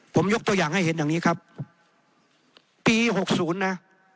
ผมยกตัวอย่างให้เห็นดังนี้ครับปี๖๐นะ